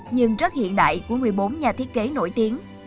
nhưng rất hiện đại của một mươi bốn nhà thiết kế nổi tiếng